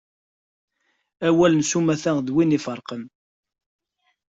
Awal n tsummta, d win i ifeṛṛqen.